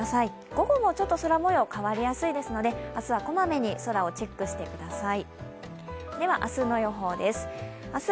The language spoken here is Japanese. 午後もちょっと空もよう、変わりやすいですので、明日はこまめに空をチェックしてください。